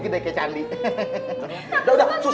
tidak ada yang bisa dibantuin